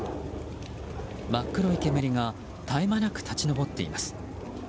真っ黒い煙が絶え間なく立ち上っています。